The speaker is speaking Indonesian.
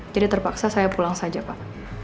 jadi terpaksa saya pulang saja pak